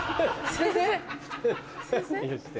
先生？